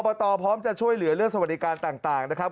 ตพร้อมจะช่วยเหลือเรื่องสวัสดิการต่างนะครับ